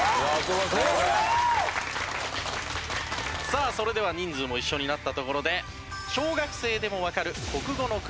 さあそれでは人数も一緒になったところで小学生でもわかる国語のクイズです。